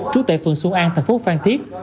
trú tệ phường xuân an thành phố phan thiết